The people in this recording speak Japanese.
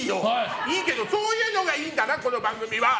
いいけどそういうのがいいんだなこの番組は！